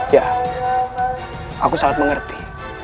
ya aku sangat mengerti